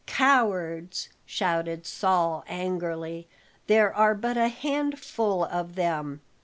"Cowards!" shouted Saul angrily; "there are but a handful of them."